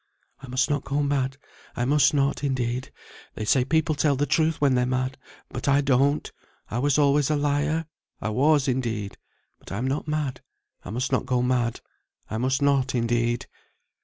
"I must not go mad. I must not, indeed. They say people tell the truth when they're mad; but I don't. I was always a liar. I was, indeed; but I'm not mad. I must not go mad. I must not, indeed."